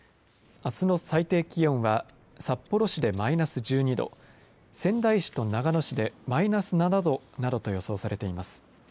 あすの最低気温は札幌市でマイナス１２度仙台市と長野市でマイナス７度などと予想されています。